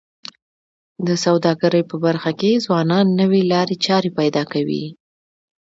د سوداګرۍ په برخه کي ځوانان نوې لارې چارې پیدا کوي.